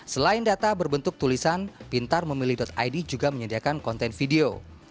selain data berbentuk tulisan pintarmemilih id juga menyediakan konten video